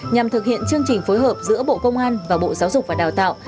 nhằm thực hiện chương trình phối hợp giữa bộ công an và bộ giáo dục và đào tạo